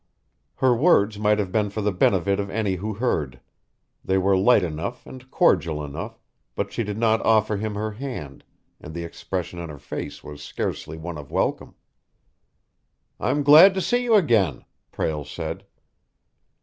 Her words might have been for the benefit of any who heard. They were light enough and cordial enough, but she did not offer him her hand, and the expression on her face was scarcely one of welcome. "I am glad to see you again," Prale said.